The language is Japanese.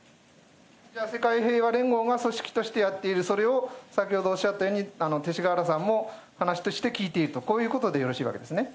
じゃあ世界平和連合が組織としてやっている、それを先ほどおっしゃったように、勅使河原さんも話として聞いていると、こういうことでよろしいわけですね。